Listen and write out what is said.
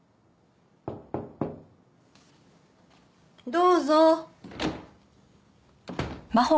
どうぞ。